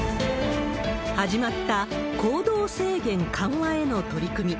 始まった行動制限緩和への取り組み。